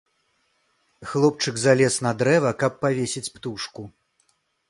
Хлопчык залез на дрэва, каб павесіць птушку.